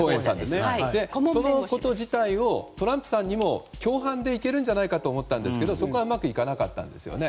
そのこと自体をトランプさんにも共犯でいけるんじゃないかと思ったんですがそこはうまくいかなかったんですよね。